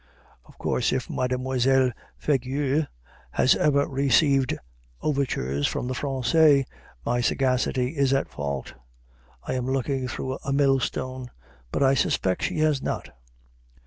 (Of course if Mademoiselle Fargueil has ever received overtures from the Français, my sagacity is at fault I am looking through a millstone. But I suspect she has not.)